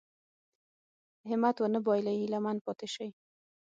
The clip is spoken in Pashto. همت ونه بايلي هيله من پاتې شي.